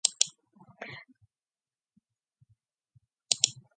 Шёнбрунны найрамдлын гэрээ Австрийг үндсэндээ Францаас хараат улс болгосон юм.